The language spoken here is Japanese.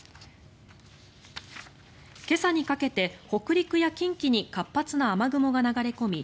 今朝にかけて北陸や近畿に活発な雨雲が流れ込み